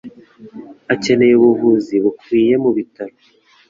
Akeneye ubuvuzi bukwiye mu bitaro.